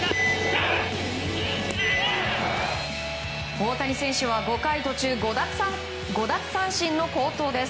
大谷選手は５回途中５奪三振の好投です。